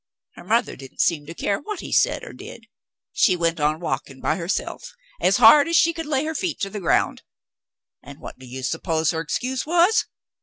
Her mother didn't seem to care what he said or did. She went on walking by herself, as hard as she could lay her feet to the ground. And what do you suppose her excuse was?